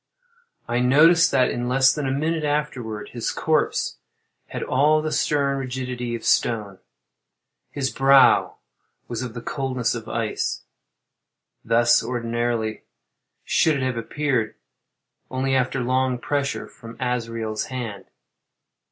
I noticed that in less than a minute afterward his corpse had all the stern rigidity of stone. His brow was of the coldness of ice. Thus, ordinarily, should it have appeared, only after long pressure from Azrael's hand.